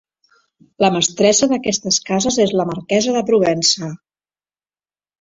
La mestressa d'aquestes cases és la marquesa de Provença.